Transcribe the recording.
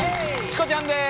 チコちゃんです。